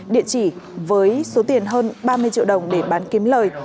địa chỉ với số tiền hơn ba mươi triệu đồng để bán kiếm lời